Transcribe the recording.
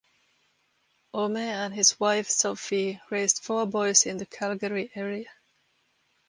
Omer and his wife Sophie raised four boys in the Calgary area.